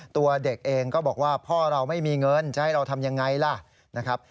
ตัวเด็กเองก็บอกว่าพ่อเราไม่มีเงินจะให้เราทำยังไงล่ะนะครับ